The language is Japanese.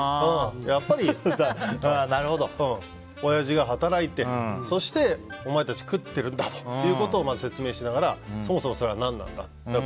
やっぱり親父が働いてそして、お前たちは食ってるんだということをまず説明しながらそもそも、それは何なんだと。